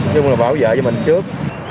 chứ không là bảo vệ cho mình trước